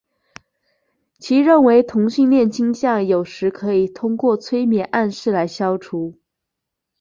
其认为同性恋倾向有时可以通过催眠暗示来消除。